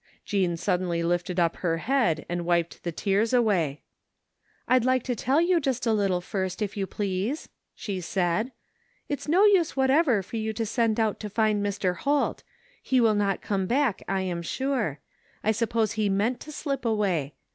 Jean suddenly lifted up her head and wiped the tears away. " Fd like to tell you just a little first, if you please," she said. " It's no use whatever for you to send out to find Mr. Holt He will not come back, I am sure. I suppose he meant to slip away.